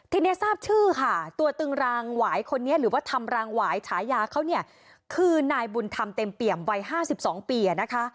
ทีนี้ทราบชื่อค่ะตัวตึงรางหวายคนนี้หรือว่าทำรางหวายฉายาเขาเนี่ยคือนายบุญธรรมเต็มเปี่ยมวัย๕๒ปีนะคะ